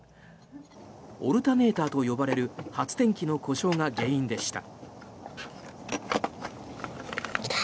オルタネーターと呼ばれる発電機の故障が原因でした。